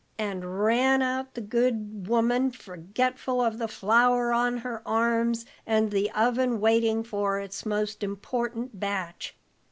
out ran the good woman, forgetful of the flour on her arms and the oven waiting for its most important batch.